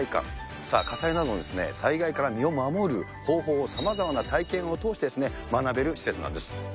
さあ、火災などの災害から身を守る方法をさまざまな体験を通して、学べる施設なんです。